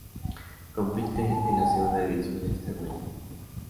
Compite en la Segunda División Extremeña.